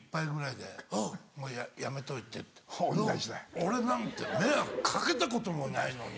俺なんて迷惑かけたこともないのに。